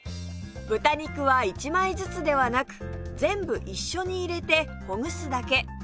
豚肉は１枚ずつではなく全部一緒に入れてほぐすだけ